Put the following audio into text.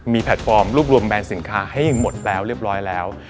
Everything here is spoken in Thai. มีแพลตฟอร์มรวบรวมแบรนด์สินค้าให้หมดแล้วเรียบร้อยแล้ว